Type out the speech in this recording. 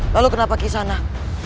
lalu kenapa kisanak